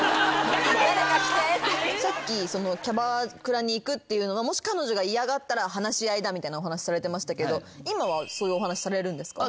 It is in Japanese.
さっきキャバクラに行くっていうのをもし彼女が嫌がったら話し合いだみたいなお話しされてましたけど今はそういうお話されるんですか？